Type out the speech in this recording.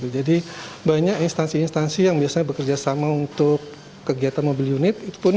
jadi banyak instansi instansi yang biasanya bekerja sama untuk kegiatan mobil unit pun